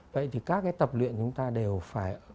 vậy thì các cái tập luyện chúng ta đều phải